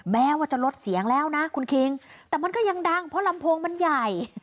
แม้ว่าจะลดเสียงแล้วนะคุณคิงแต่มันก็ยังดังเพราะลำโพงมันใหญ่